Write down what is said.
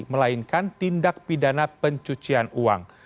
melainkan tindak pidana pencucian uang